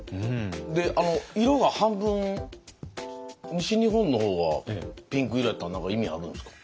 で色が半分西日本の方はピンク色やったんは何か意味あるんすか？